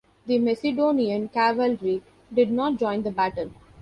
The Macedonian cavalry did not join the battle.